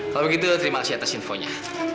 kalau begitu terima kasih atas infonya